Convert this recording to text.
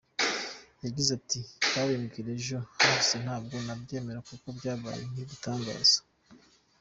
Yagize ati “Babimbwira ejo hahise ntabwo nabyemeye kuko cyabaye nk’igitangaza.